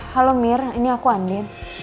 halo mir ini aku andin